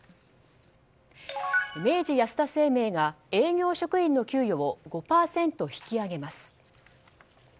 明治安田生命が営業職員の給与を５％引き上げます。